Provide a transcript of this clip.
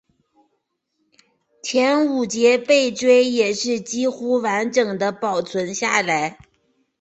前五节背椎也是几乎完整地保存下来。